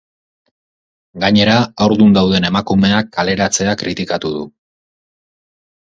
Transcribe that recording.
Gainera, haurdun dauden emakumeak kaleratzea kritikatu du.